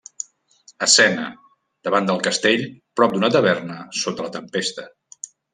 Escena: davant del castell, prop d'una taverna, sota la tempesta.